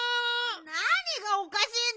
なにがおかしいんだよ。